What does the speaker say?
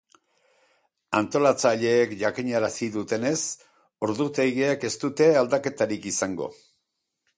Antolatzaileek jakinarazi dutenez, ordutegiek ez dute aldaketarik izango.